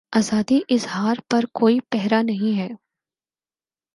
آزادیء اظہارپہ کوئی پہرا نہیں ہے۔